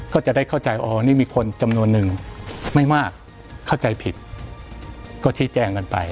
ก็จะได้เข้าใจอ๋อนี่มีคนจำนวนนึงไม่มากเข้าใจผิดก็ชี้แจงกันไป